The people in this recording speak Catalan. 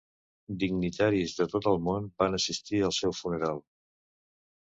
Dignitaris de tot el món van assistir al seu funeral.